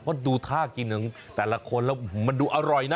เพราะดูท่ากินของแต่ละคนแล้วมันดูอร่อยนะ